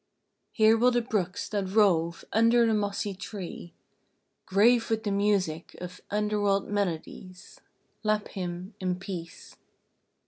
Here will the brooks, that rove Under the mossy trees, Grave with the music of Underworld melodies, Lap him in peace.